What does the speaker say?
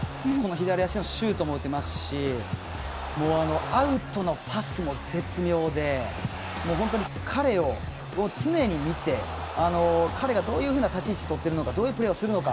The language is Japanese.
左足でシュートも打てますしアウトのパスも絶妙で本当に彼を常に見て彼がどういうふうな立ち位置を取っているのかどういうプレーをするのか